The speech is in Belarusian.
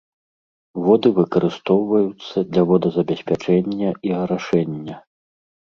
Воды выкарыстоўваюцца для водазабеспячэння і арашэння.